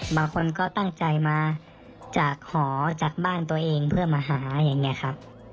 บางคนก็ตั้งใจมาจากหอจากบ้านตัวเองเพื่อมาหาอย่างนี้ครับ